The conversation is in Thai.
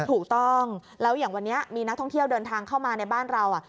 ถูกต้องแล้วอย่างวันนี้มีนักท่องเที่ยวเดินทางเข้ามาในบ้านเรา